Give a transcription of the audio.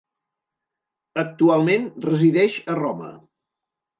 Actualment resideix a Roma.